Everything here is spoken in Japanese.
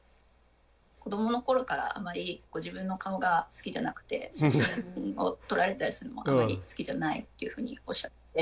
子どもの頃からあまりご自分の顔が好きじゃなくて写真を撮られたりするのがあまり好きじゃないっていうふうにおっしゃって